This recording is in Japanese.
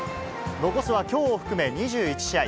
残すはきょうを含め２１試合。